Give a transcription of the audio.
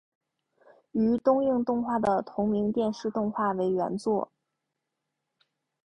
由东映动画的同名电视动画为原作。